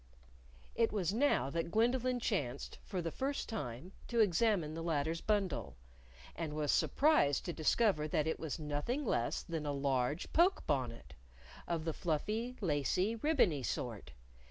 It was now that Gwendolyn chanced, for the first time, to examine the latter's bundle. And was surprised to discover that it was nothing less than a large poke bonnet of the fluffy, lacy, ribbony sort.